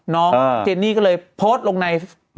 น้องเจนนี่ก็เลยสั่นตรงหลัง